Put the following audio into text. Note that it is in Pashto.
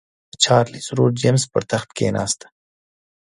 د چارلېز ورور جېمز پر تخت کېناست.